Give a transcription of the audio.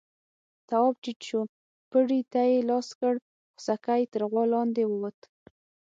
تواب ټيټ شو، پړي ته يې لاس کړ، خوسکی تر غوا لاندې ووت.